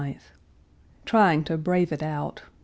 Trying to brave it out.